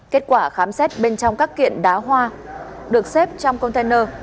kết quả khám xét bên trong các kiện đá hoa được xếp trong container